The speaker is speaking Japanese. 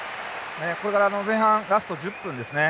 これから前半ラスト１０分ですね。